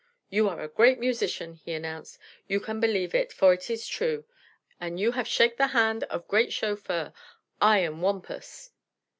"You are great musician," he announced. "You can believe it, for it is true. An' you have shake the hand of great chauffeur. I am Wampus."